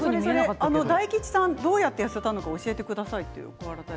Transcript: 大吉さんはどうやって痩せたのか教えてください